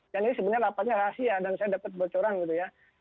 dan ini sebenarnya rapatnya rahasia dan saya dapat bocoran gitu ya